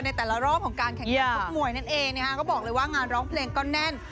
ในแต่ละรอบของการแข่งขันทุกมวยนั่นเองนะฮะก็บอกเลยว่างานร้องเพลงก็แน่น